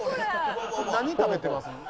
「何食べてます？」